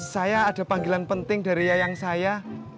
saya ada panggilan penting dari yayang saya